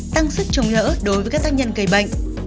tăng sức chống đỡ đối với các tác nhân gây bệnh